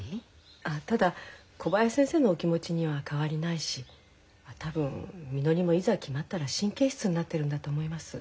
あただ小林先生のお気持ちには変わりないし多分みのりもいざ決まったら神経質になってるんだと思います。